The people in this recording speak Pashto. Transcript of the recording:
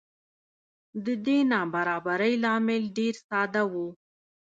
د دې نابرابرۍ لامل ډېر ساده و